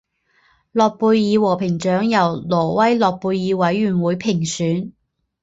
诺贝尔和平奖由挪威诺贝尔委员会评选。